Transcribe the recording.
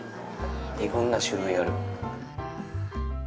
いろんな種類ある。